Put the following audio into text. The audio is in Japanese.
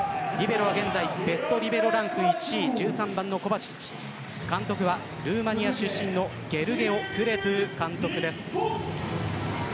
リベロは現在ベストリベロランク１位、１３番のコバチッチ監督はルーマニア出身のデルゲオルゲ・クレトゥ監督です。